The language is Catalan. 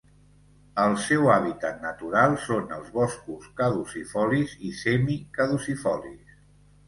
El seu hàbitat natural són els boscos caducifolis i semicaducifolis.